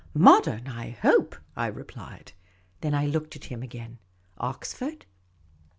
" Modern, I hope," I replied. Then I looked at him again. "Oxford?"